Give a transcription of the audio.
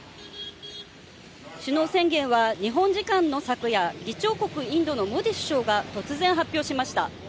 首脳宣言は日本時間の昨夜、議長国インドのモディ首相が突然発表しました。